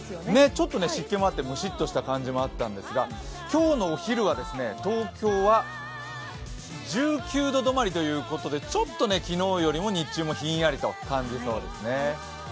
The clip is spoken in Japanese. ちょっと湿気もあってムシッとした感じもあったんですが、今日のお昼は東京は１９度止まりということで、ちょっと昨日よりも日中もひんやりと感じそうですね。